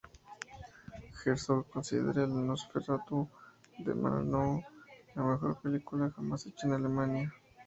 Herzog considera el "Nosferatu" de Murnau la mejor película jamás hecha en Alemania.